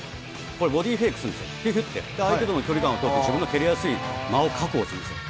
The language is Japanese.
これボディーフェイクするんですよ、ひゅひゅって、相手との距離感を取って、すごい蹴りやすい間を確保するんですよ。